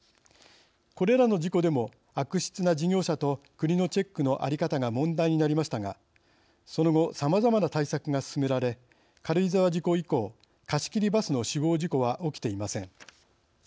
これらの事故でも悪質な事業者と国のチェックの在り方が問題になりましたがその後さまざまな対策が進められ軽井沢事故以降貸し切りバスの死亡事故は起きていません。